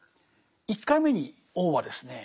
１回目に王はですね